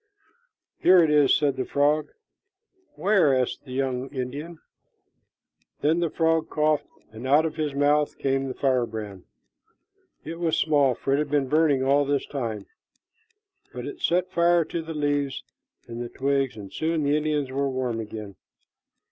"Here it is," said the frog. "Where?" asked the young Indian. Then the frog coughed, and out of his mouth came the firebrand. It was small, for it had been burning all this time, but it set fire to the leaves and twigs, and soon the Indians were warm again.